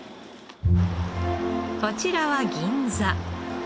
こちらは銀座。